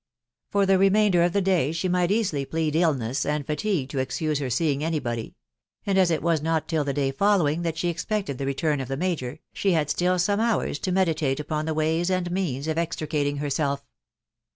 For the remainder of the day she might easily plead illness and fatigue to excuse her seeing any body ; and as it was not till the day following that she expected the return of the major, she had still some hours to meditate upon the ways and means of extricating herself.